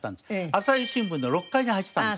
朝日新聞の６階に入ってたんです。